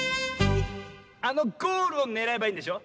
あのゴールをねらえばいいんでしょ。